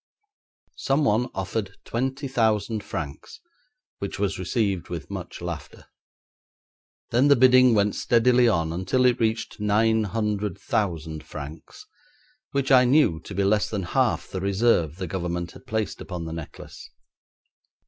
Someone offered twenty thousand francs, which was received with much laughter; then the bidding went steadily on until it reached nine hundred thousand francs, which I knew to be less than half the reserve the Government had placed upon the necklace.